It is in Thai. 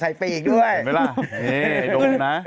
สุดยอดใส่ปีกด้วยเห็นไหมล่ะโดมนะ